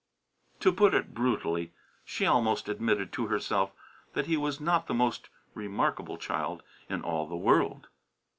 To put it brutally, she almost admitted to herself that he was not the most remarkable child in all the world.